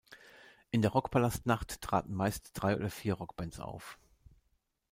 In der Rockpalast Nacht traten meist drei oder vier Rockbands auf.